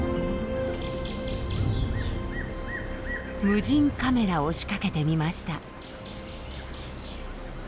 無人カメラを仕掛けてみました。